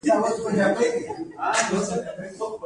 ما ورته وویل: نه، زه نه شم تلای، بل څوک درسره و بوزه.